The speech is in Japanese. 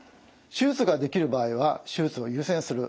手術ができる場合は手術を優先する。